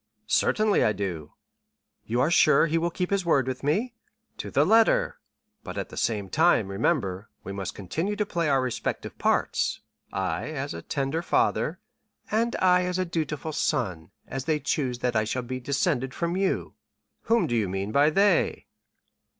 "Certainly I do." "You are sure he will keep his word with me?" "To the letter, but at the same time, remember, we must continue to play our respective parts. I, as a tender father——" "And I as a dutiful son, as they choose that I shall be descended from you." "Whom do you mean by they?"